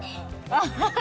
アッハハ！